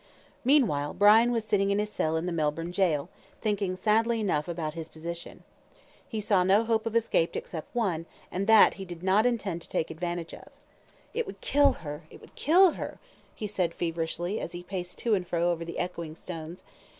Meanwhile Brian was sitting in his cell in the Melbourne Jail, thinking sadly enough about his position. He saw no hope of escape except one, and that he did not intend to take advantage of. "It would kill her; it would kill her," he said, feverishly, as he paced to and fro over the echoing stones.